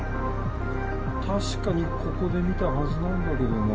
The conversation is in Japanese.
確かにここで見たはずなんだけどな。